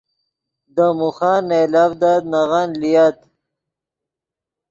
دے موخن نئیلڤدت نغن لییت